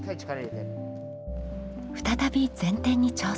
再び前転に挑戦。